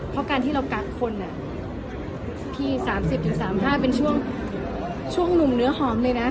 เพราะการที่เรากักคนอ่ะพี่สามสิบถึงสามห้าเป็นช่วงช่วงหนุ่มเนื้อหอมเลยน่ะ